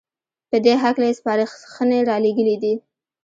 په دې هکله يې سپارښنې رالېږلې دي